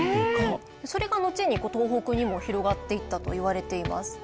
それがのちに東北にも広がっていったといわれています。